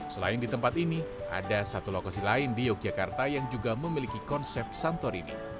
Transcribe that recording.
selain di tempat ini ada satu lokasi lain di yogyakarta yang juga memiliki konsep santorini